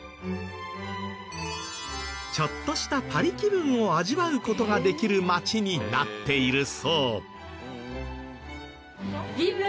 ちょっとしたパリ気分を味わう事ができる街になっているそう。